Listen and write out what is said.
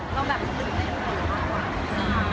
เราแบบก็ตื่น